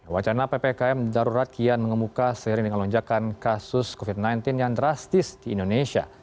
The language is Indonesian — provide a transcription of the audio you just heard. wacana ppkm darurat kian mengemuka seiring dengan lonjakan kasus covid sembilan belas yang drastis di indonesia